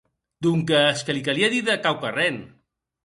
Donques que li calie díder quauquarren.